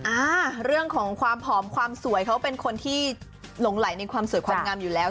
อ่าเรื่องของความผอมความสวยเขาเป็นคนที่หลงไหลในความสวยความงามอยู่แล้ว